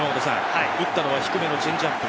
打ったのは低めのチェンジアップ。